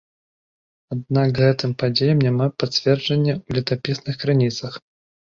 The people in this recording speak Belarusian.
Аднак гэтым падзеям няма падцверджання ў летапісных крыніцах.